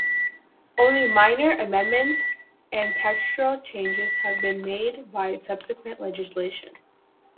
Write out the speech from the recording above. Only minor amendments and textural changes have been made by subsequent legislation.